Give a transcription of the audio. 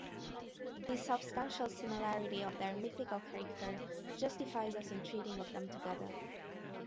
The substantial similarity of their mythical character justifies us in treating of them together.